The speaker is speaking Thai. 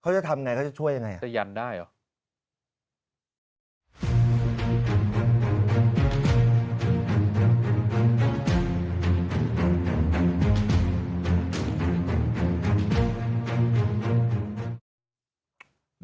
จะทำไงเขาจะช่วยยังไงจะยันได้เหรอ